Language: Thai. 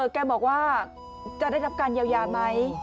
แกบอกว่าจะได้รับการเยียวยาไหม